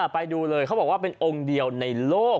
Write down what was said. ไปดูเลยเขาบอกว่าเป็นองค์เดียวในโลก